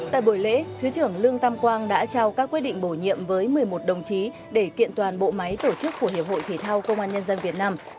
tại buổi lễ thứ trưởng lương tam quang đã trao các quyết định bổ nhiệm với một mươi một đồng chí để kiện toàn bộ máy tổ chức của hiệp hội thể thao công an nhân dân việt nam